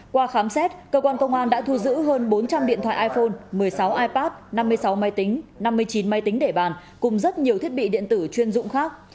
qua khám xét cơ quan công an đã thu giữ hơn bốn trăm linh điện thoại iphone một mươi sáu ipad năm mươi sáu máy tính năm mươi chín máy tính để bàn cùng rất nhiều thiết bị điện tử chuyên dụng khác